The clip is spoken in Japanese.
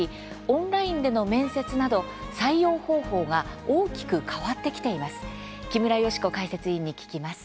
オンラインでの面接など採用方法が大きく変わってきています。